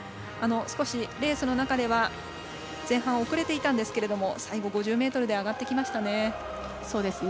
少しレースの中では前半遅れていたんですけれども最後５０ｍで上がってきましたね。